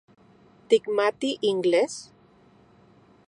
¿Tikmati inglés?